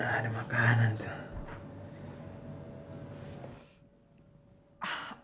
nah ada makanan tuh